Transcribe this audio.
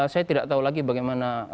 saya tidak tahu lagi bagaimana